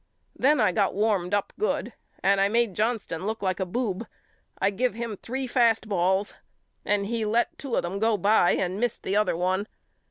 Then I got warmed up good and I made Johnston look like a boob. I give him three fast balls and he let two of them go by and missed the other one.